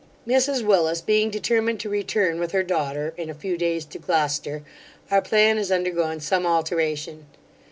Mrs Willis being determined to return with her daughter, in a few days, to Gloucester, our plan has undergone some alteration.